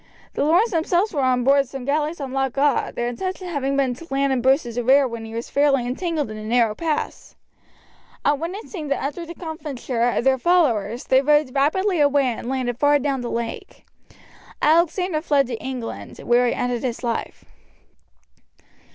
The Lornes themselves were on board some galleys on Loch Awe, their intention having been to land in Bruce's rear when he was fairly entangled in the narrow pass. On witnessing the utter discomfiture of their followers they rowed rapidly away, and landed far down the lake. Alexander fled to England, where he ended his life.